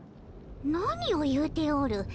何を言うておる。